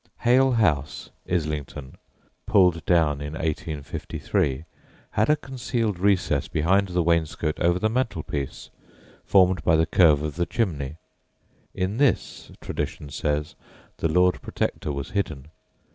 Hale House, Islington, pulled down in 1853, had a concealed recess behind the wainscot over the mantel piece, formed by the curve of the chimney. In this, tradition says, the Lord Protector was hidden.